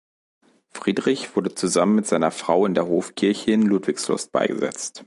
Friedrich wurde zusammen mit seiner Frau in der Hofkirche in Ludwigslust beigesetzt.